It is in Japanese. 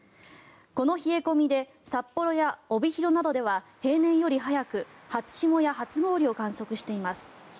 この冷え込みで札幌や帯広などでは平年より早く初霜や初氷を観測しています。